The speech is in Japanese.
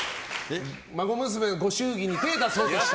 孫娘のご祝儀に手を出そうとした。